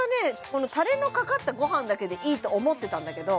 このタレのかかったご飯だけでいいと思ってたんだけど